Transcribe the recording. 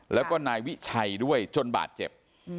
แล้วก็นายวิชัยด้วยจนบาดเจ็บ